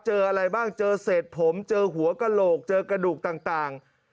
เจออะไรบ้างเจอเศษผมเจอหัวกระโหลกเจอกระดูกต่าง